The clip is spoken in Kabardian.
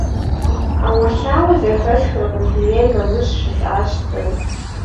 – Ӏэуэлъауэ зэхэсхыркъым, дунейр мамырщ, – жысӀащ сэ.